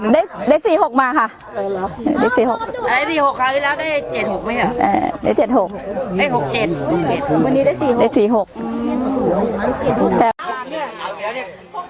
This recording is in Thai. โปรดติดตามตอนต่อไป